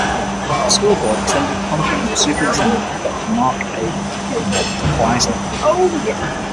The School Board extended the contract of Superintendent Doctor Mark A. Klaisner.